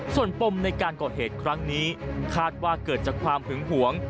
ส่วนปมในการก่อเหตุครั้งนี้คาดว่าเกิดจากความหึงหวง